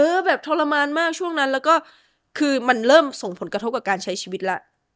แบบทรมานมากช่วงนั้นแล้วก็คือมันเริ่มส่งผลกระทบกับการใช้ชีวิตแล้ว